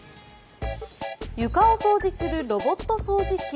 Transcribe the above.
床を掃除するロボット掃除機。